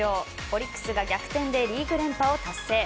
オリックスが逆転でリーグ連覇を達成。